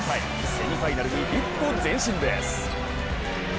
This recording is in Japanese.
セミファイナルに一歩前進です。